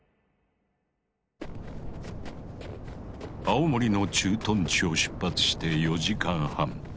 青森の駐屯地を出発して４時間半。